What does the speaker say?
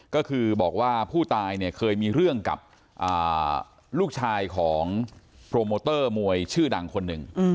ก็คือบอกว่าผู้ตายเนี่ยเคยมีเรื่องกับลูกชายของโปรโมเตอร์มวยชื่อดังคนหนึ่ง